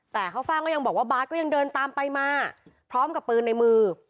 แต่ข้าวฟ่างก็ยังบอกว่าบาทก็ยังเดินตามไปมาพร้อมกับปืนในมือ